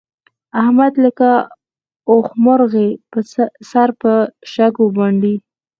احمد لکه اوښمرغی سر په شګو منډي.